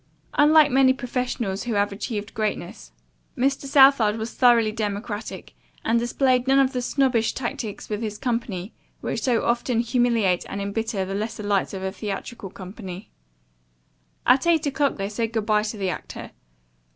Unlike many professionals who have achieved greatness, Mr. Southard was thoroughly democratic, and displayed none of the snobbish tactics with his company which so often humiliate and embitter the lesser lights of a theatrical company. At eight o'clock they said good bye to the actor.